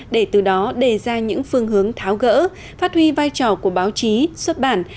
để từ đó đề ra những phương hướng tháo gỡ phát huy vai trò của báo chí xuất bản